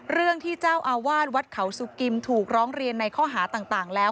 เรื่องที่เจ้าอาวาสวัดเขาสุกิมถูกร้องเรียนในข้อหาต่างแล้ว